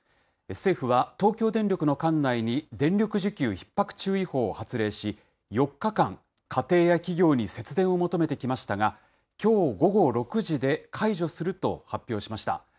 政府は、東京電力の管内に電力需給ひっ迫注意報を発令し、４日間、家庭や企業に節電を求めてきましたが、きょう午後６時で解除すると発表しました。